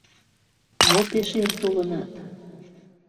— Мо пеш эр толынат?